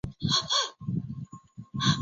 头孢达肟是一种第三代头孢菌素。